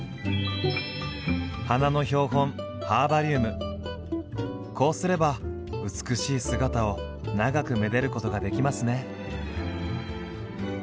花の標本こうすれば美しい姿を長くめでることができますね。